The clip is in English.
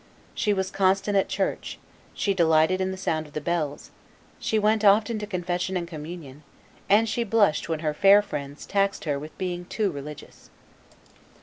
She was constant at church, she delighted in the sound of the bells, she went often to confession and communion, and she blushed when her fair friends taxed her with being too religious.